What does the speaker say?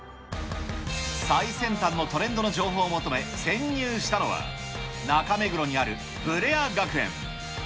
最先端のトレンドの情報を求め、潜入したのは、中目黒にあるブレア学園。